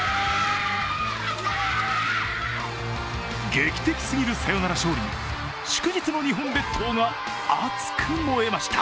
劇的すぎるサヨナラ勝利に祝日の日本列島が熱く燃えました。